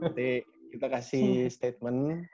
nanti kita kasih statement